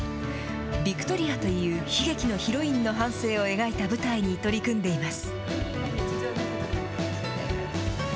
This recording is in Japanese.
ヴィクトリアという悲劇のヒロインの半生を描いた舞台に取り組んでいます。